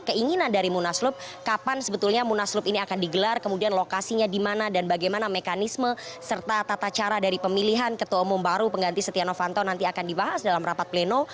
keinginan dari munaslup kapan sebetulnya munaslup ini akan digelar kemudian lokasinya di mana dan bagaimana mekanisme serta tata cara dari pemilihan ketua umum baru pengganti setia novanto nanti akan dibahas dalam rapat pleno